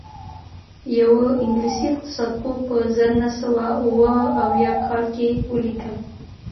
یوه انګلیسي اقتصاد پوه په زر نه سوه اووه اویا کال کې ولیکل